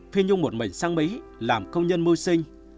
phi nhung một mình sang mỹ làm công nhân mưu sinh